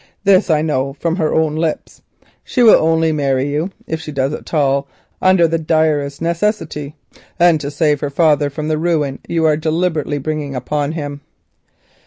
This I know from her own lips. She will only marry you, if she does so at all, under the pressure of direst necessity, and to save her father from the ruin you are deliberately bringing upon him."